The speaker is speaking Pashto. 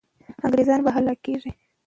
انګریزان به حلالېږي.